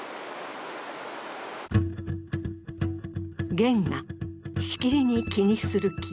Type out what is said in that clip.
げんがしきりに気にする木。